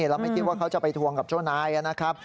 เราไม่คิดว่าเขาจะไปทวงกับเจ้านายนะครับ